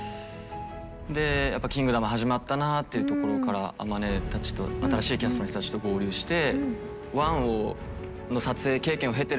でやっぱ『キングダム』始まったなっていうところから天音たちと新しいキャストの人たちと合流して。